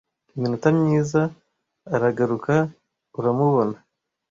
iminota myiza aragaruka uramubona